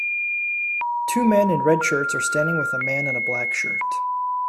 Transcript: Two men in red shirts are standing with a man in a black shirt.